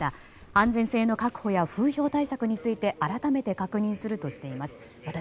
安全性の確保や風評対策について改めて確認するとしています。